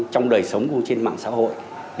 trong đời sống cũng trên mạng xã hội